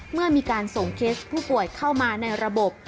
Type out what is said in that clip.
เมื่อมีการส่งเคสผู้ป่วยเข้ามาในระบบ